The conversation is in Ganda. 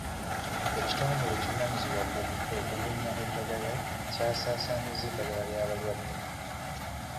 Ekitongole ekivunaanyizibwa okubunya eddagala kyasaasaanyizza eddagala ly'abalwadde.